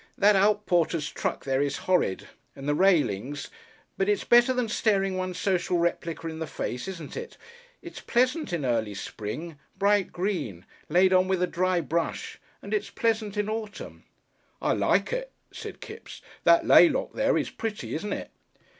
That outporter's truck there is horrid and the railings, but it's better than staring one's social replica in the face, isn't it? It's pleasant in early spring bright green, laid on with a dry brush and it's pleasant in autumn." "I like it," said Kipps. "That laylock there is pretty, isn't it?"